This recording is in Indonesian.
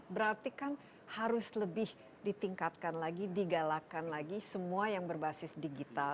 berarti kan harus lebih ditingkatkan lagi digalakan lagi semua yang berbasis digital